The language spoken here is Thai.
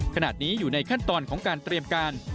ขณะนี้อยู่ในขั้นตอนของการเตรียมการ